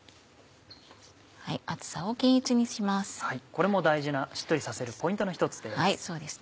これも大事なしっとりさせるポイントの１つです。